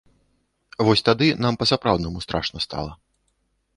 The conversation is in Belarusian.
Вось тады нам па-сапраўднаму страшна стала.